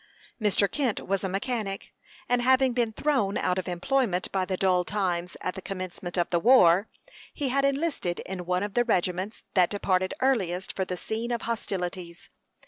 Mr. Kent was a mechanic, and having been thrown out of employment by the dull times at the commencement of the war, he had enlisted in one of the regiments that departed earliest for the scene of hostilities.